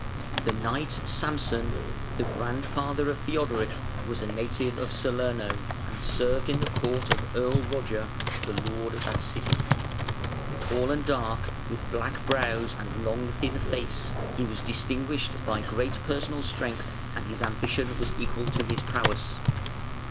The Knight Samson, the grandfather of Theodoric, was a native of Salerno and served in the court of Earl Roger, the lord of that city Tall and dark, with black brows and long, thin face, he was distinguished by great personal strength, and his ambition was equal to his prowess.